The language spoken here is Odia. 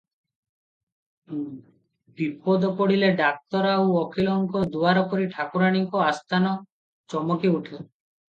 ବିପଦ ପଡ଼ିଲେ ଡାକ୍ତର ଆଉ ଓକିଲଙ୍କ ଦୁଆରପରି ଠାକୁରାଣୀଙ୍କ ଆସ୍ଥାନ ଚମକିଉଠେ ।